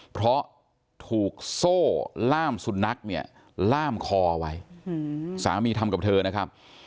เพราะถูกโซ่ล่ามสุนัขเนี่ยล่ามคอไว้สามีทำกับเธอนะครับ